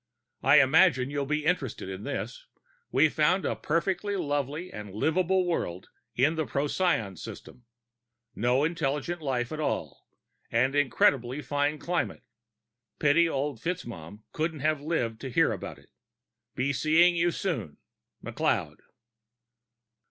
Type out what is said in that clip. _ _I imagine you'll be interested in this: we found a perfectly lovely and livable world in the Procyon system. No intelligent life at all, and incredibly fine climate. Pity old FitzMaugham couldn't have lived to hear about it. Be seeing you soon. McLeod.